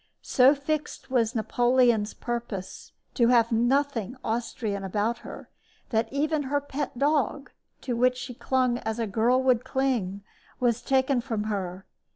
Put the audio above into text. So fixed was Napoleon's purpose to have nothing Austrian about her, that even her pet dog, to which she clung as a girl would cling, was taken from her.